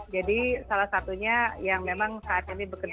jadi salah satunya yang memang saat ini bekerja